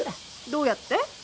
どうやって？